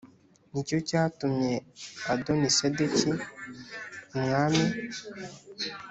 Ni cyo cyatumye Adonisedeki umwami